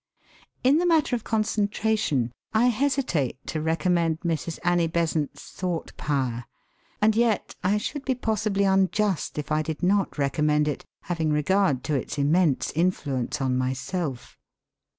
In the matter of concentration, I hesitate to recommend Mrs. Annie Besant's Thought Power, and yet I should be possibly unjust if I did not recommend it, having regard to its immense influence on myself.